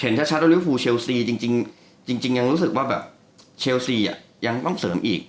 ชัดว่าริวฟูเชลซีจริงยังรู้สึกว่าแบบเชลซียังต้องเสริมอีก